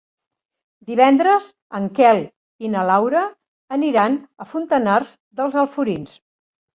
Divendres en Quel i na Laura aniran a Fontanars dels Alforins.